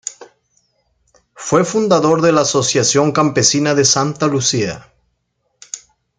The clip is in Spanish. Fue fundador de la Asociación Campesina de Santa Lucía.